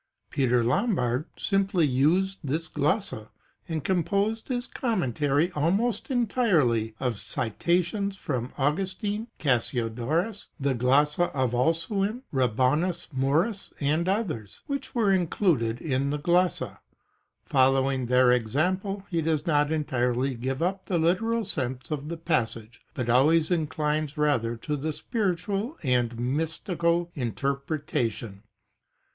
Peter Lombard simply used this Glossa and composed his commentary almost entirely of citations from Augustine, Cassiodorus, the Glossa of Alcuin, Rabanus Maurus and others, which were included in the Glossa. Following their example, he does not entirely give up the literal sense of the passage, but always inclines rather to the spiritual and mystical interpretation.